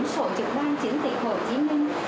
bốn sổ trực ban chiến dịch hồ chí minh